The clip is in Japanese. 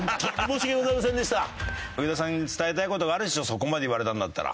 そこまで言われたんだったら。